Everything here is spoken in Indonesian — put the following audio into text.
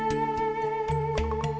supaya beliau lebih khusus